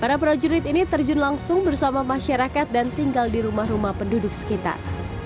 para prajurit ini terjun langsung bersama masyarakat dan tinggal di rumah rumah penduduk sekitar